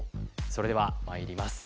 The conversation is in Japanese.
それではまいります。